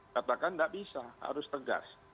katakan nggak bisa harus tegas